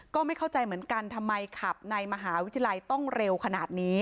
ก็ไม่เข้าใจเหมือนกันทำไมขับในมหาวิทยาลัยต้องเร็วขนาดนี้